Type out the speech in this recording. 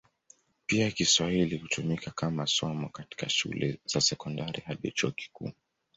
Pia Kiswahili hutumika kama somo katika shule za sekondari hadi chuo kikuu.